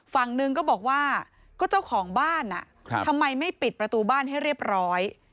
ฝั่งหนึ่งก็บอกว่าก็เจ้าของบ้านทำไมไม่ปิดประตูบ้านให้เรียบร้อย